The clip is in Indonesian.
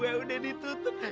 kuping gue udah ditutup